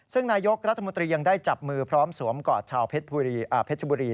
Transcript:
ซึ่งนายกรัฐมนตรียังได้จับมือพร้อมสวมกอดชาวเพชรบุรี